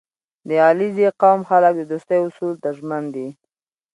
• د علیزي قوم خلک د دوستۍ اصولو ته ژمن دي.